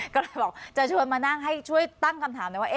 ก็เลยบอกจะชวนมานั่งให้ช่วยตั้งคำถามหน่อยว่า